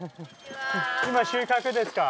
今収穫ですか？